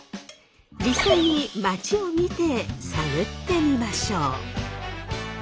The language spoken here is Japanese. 実際に街を見て探ってみましょう。